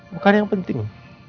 bukan yang penting